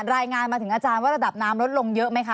รายงานมาถึงอาจารย์ว่าระดับน้ำลดลงเยอะไหมคะ